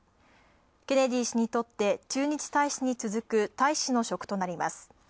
ケネディ氏にとって駐日大使に続く大使の職となります。